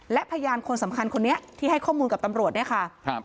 และพยานคนสำคัญคนนี้ที่ให้ข้อมูลกับตำรวจเนี่ยค่ะครับ